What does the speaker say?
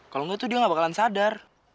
kalau enggak tuh dia gak bakalan sadar